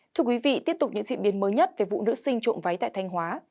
thưa quý vị tiếp tục những diễn biến mới nhất về vụ nữ sinh trộm váy tại thanh hóa